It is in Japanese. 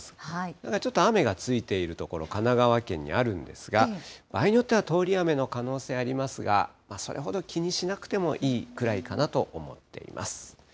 ただちょっと雨がついている所、神奈川県にあるんですが、場合によっては通り雨の可能性ありますが、それほど気にしなくてもいいくらいかなと思っています。